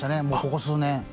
ここ数年。